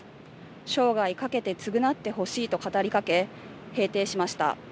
生涯かけて償ってほしいと語りかけ、閉廷しました。